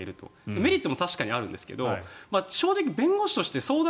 メリットも確かにあるんですが正直弁護士として、相談